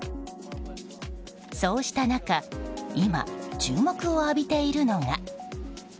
そうした中今、注目を浴びているのが。